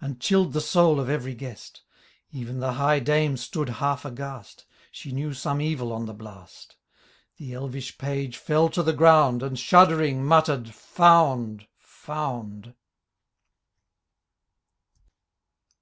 And chilled the soul of every guest ; Even the high Dame stood half aghast, She knew some evil on the blast ; The elvish page fell to the ground. And, shuddering, mutter'd, " Found I found